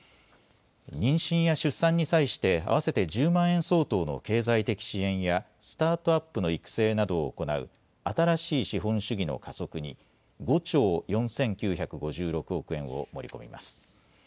妊娠や出産に際して合わせて１０万円相当の経済的支援やスタートアップの育成などを行う新しい資本主義の加速に５兆４９５６億円を盛り込みます。